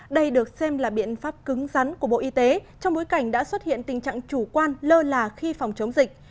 đây được xem là biện pháp cứng rắn của bộ y tế trong bối cảnh đã xuất hiện tình trạng chủ quan lơ là khi phòng chống dịch